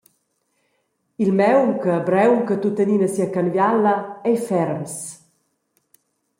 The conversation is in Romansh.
Il maun che braunca tuttenina sia canviala ei ferms.